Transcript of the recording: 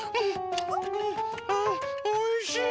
おいしい！